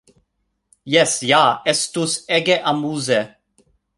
"Jes ja! Estus ege amuze!"